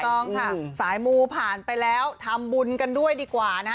ต้องค่ะสายมูผ่านไปแล้วทำบุญกันด้วยดีกว่านะคะ